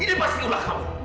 ini pasti ulah kamu